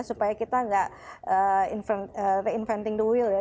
supaya kita tidak reinventing the wheel ya